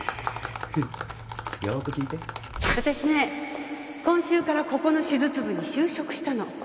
よく聞いて私ね今週からここの手術部に就職したの